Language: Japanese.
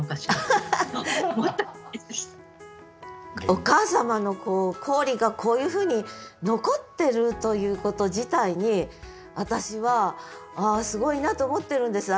お母様の行李がこういうふうに残ってるということ自体に私はあすごいなと思ってるんです。